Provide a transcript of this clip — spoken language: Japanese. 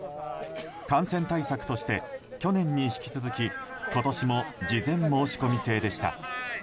感染対策として、去年に引き続き今年も事前申し込み制でした。